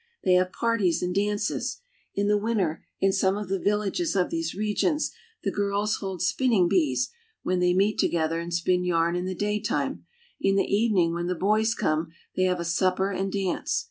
They have parties and dances. In the winter, in some of the villages of these regions, the girls hold spinning bees, when they meet together and spin yarn in the daytime ; in the evening, when the boys come, they have a supper and dance.